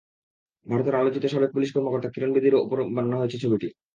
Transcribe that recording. ভারতের আলোচিত সাবেক পুলিশ কর্মকর্তা কিরণ বেদির ওপর বানানো হবে ছবিটি।